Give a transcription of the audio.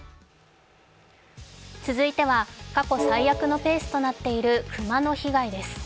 続いては過去最悪のペースとなっている熊の被害です。